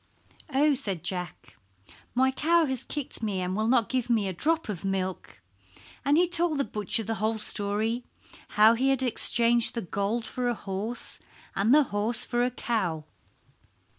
"Oh," said Jack, "my cow has kicked me and will not give me a drop of milk," and he told the butcher the whole story, how he had exchanged the gold for a horse, and the horse for a cow.